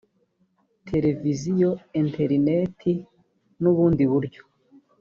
televiziyo interineti n ubundi buryo